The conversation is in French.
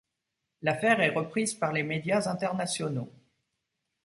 L'affaire est reprise par les médias internationaux.